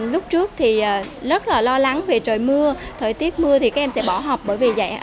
lúc trước thì rất là lo lắng về trời mưa thời tiết mưa thì các em sẽ bỏ học bởi vì vậy ạ